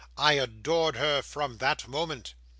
I adored her from that moment!